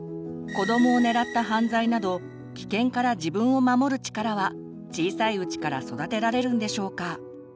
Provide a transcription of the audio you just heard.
子どもを狙った犯罪など危険から自分を守る力は小さいうちから育てられるんでしょうか？